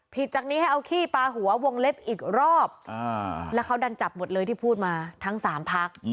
จากนี้ให้เอาขี้ปลาหัววงเล็บอีกรอบแล้วเขาดันจับหมดเลยที่พูดมาทั้ง๓พัก